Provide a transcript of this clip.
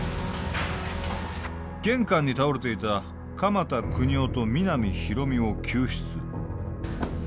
玄関に倒れていた鎌田國士と皆実広見を救出